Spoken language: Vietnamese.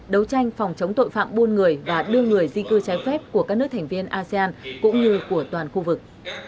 đấu tranh phòng chống tội phạm buôn người và đưa người di cư trái phép của các nước thành viên asean cũng như của toàn khu vực